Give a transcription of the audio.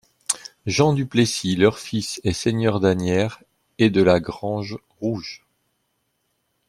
Jean du Plessis, leur fils, est seigneur d'Asnières et de La Grange Rouge.